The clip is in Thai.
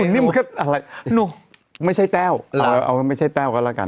นี่มันก็อะไรไม่ใช่แต้วเอาไม่ใช่แต้วก็แล้วกัน